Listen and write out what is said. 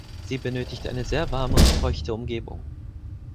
Sie benötigt eine sehr warme und feuchte Umgebung.